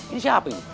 ini siapa ini